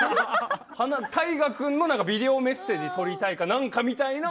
たいが君へのビデオメッセージ撮りたいみたいな。